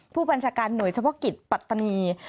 ผู้บัญชาการหน่วยเฉพาะกิจปัตตานี